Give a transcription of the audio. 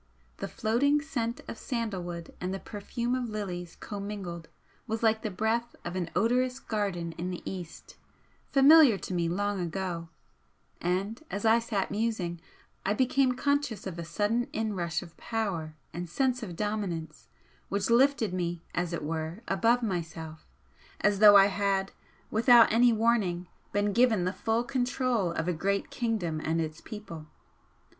The floating scent of sandal wood and the perfume of lilies commingled was like the breath of an odorous garden in the East, familiar to me long ago, and as I sat musing I became conscious of a sudden inrush of power and sense of dominance which lifted me as it were above myself, as though I had, without any warning, been given the full control of a great kingdom and its people.